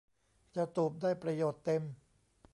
เจ้าตูบได้ประโยชน์เต็ม